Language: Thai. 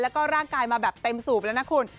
แล้วก็ร่างกายมาแบบเต็มสูบแล้วนะคุณ